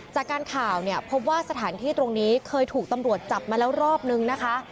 จากการข่าวเนี่ยพบว่าสถานที่ตรงนี้เคยถูกตำรวจจับมาแล้วรอบนึงนะคะ